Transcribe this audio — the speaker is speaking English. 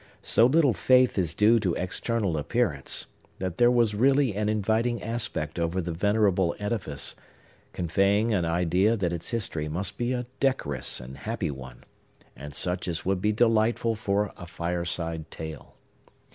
So little faith is due to external appearance, that there was really an inviting aspect over the venerable edifice, conveying an idea that its history must be a decorous and happy one, and such as would be delightful for a fireside tale.